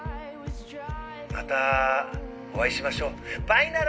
またお会いしましょうばいなら。